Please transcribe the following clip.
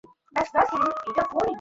ভূমধ্যসাগরীয় অঞ্চলের বাজে কফি না।